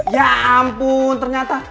ya ampun ternyata